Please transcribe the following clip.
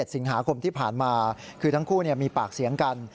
สิงหาคมที่ผ่านมาคือทั้งคู่มีปากเสียงกัน